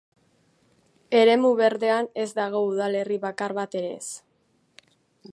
Eremu berdean ez dago udalerri bakar bat ere ez.